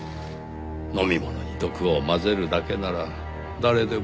飲み物に毒を混ぜるだけなら誰でも。